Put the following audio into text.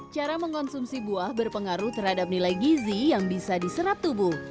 cara mengkonsumsi buah berpengaruh terhadap nilai gizi yang bisa diserap tubuh